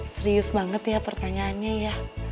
serius banget ya pertanyaannya ya